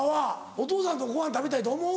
お父さんとごはん食べたいと思う？